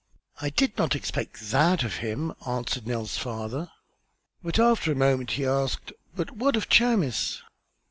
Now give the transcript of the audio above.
"I did not expect that of him," answered Nell's father. But after a moment he asked: "But what of Chamis?"